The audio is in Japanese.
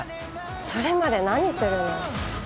それまで何するの？